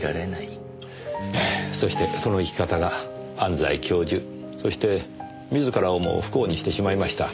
そしてその生き方が安西教授そして自らをも不幸にしてしまいました。